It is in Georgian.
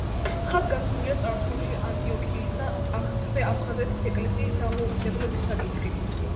ხაზგასმულია წარსულში ანტიოქიისა ტახტზე აფხაზეთის ეკლესიის დამოკიდებულების საკითხი.